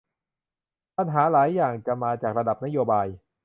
ปัญหาหลายอย่างจะมาจากระดับนโยบาย